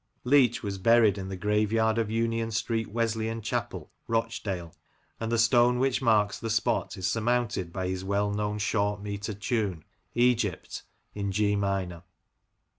Leach was buried in the graveyard of Union Street Wesleyan Chapel, Rochdale, and the stone which marks the spot is surmounted by his well known short metre tune, " Egypt," in G minor.